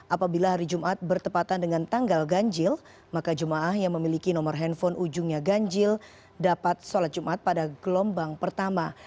apabila hari jumat bertepatan dengan tanggal ganjil maka jemaah yang memiliki nomor handphone ujungnya ganjil dapat sholat jumat pada gelombang pertama